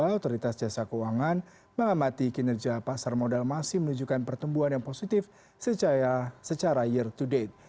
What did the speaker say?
otoritas jasa keuangan mengamati kinerja pasar modal masih menunjukkan pertumbuhan yang positif secara year to date